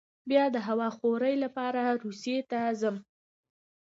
بیا د هوا خورۍ لپاره روسیې ته ځي.